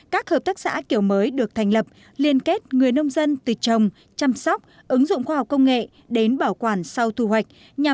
các hợp tác xã kiểu mới được thành lập liên kết người nông dân từ trồng chăm sóc ứng dụng khoa học công nghệ đến bảo quản sau thu hoạch